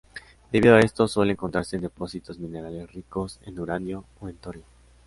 Debido a esto suele encontrarse en depósitos minerales ricos en uranio o en torio.